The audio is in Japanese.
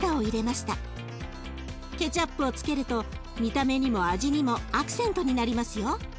ケチャップをつけると見た目にも味にもアクセントになりますよ。